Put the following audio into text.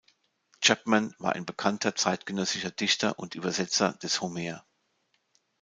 Chapman war ein bekannter zeitgenössischer Dichter und Übersetzer des Homer.